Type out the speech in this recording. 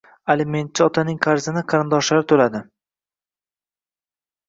Alimentchi otaning qarzini qarindoshlari to‘ladi